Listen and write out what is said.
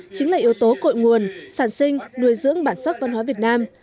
chính là yếu tố cội nguồn sản sinh nuôi dưỡng bản sắc văn hóa việt nam